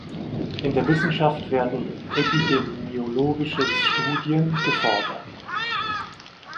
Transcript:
In der Wissenschaft werden epidemiologische Studien gefordert.